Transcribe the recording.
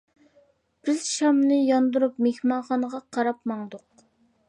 بىز شامنى ياندۇرۇپ مېھمانخانىغا قاراپ ماڭدۇق.